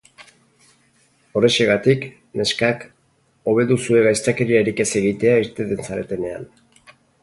Horrexegatik, neskak, hobe duzue gaiztakeriarik ez egitea irteten zaretenean.